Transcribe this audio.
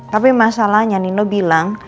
tapi masalahnya nino juga gak mau nangis sama aku